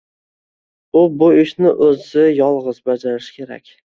U bu ishni oʻzi yolgʻiz bajarishi kerak